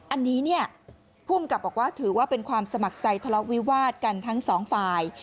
อันนี้เนี่ยภูมิกับบอกว่าถือว่าเป็นความสมัครใจทะเลาะวิวาดกันทั้งสองฝ่าย